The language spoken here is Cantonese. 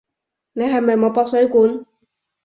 你係咪冇駁水管？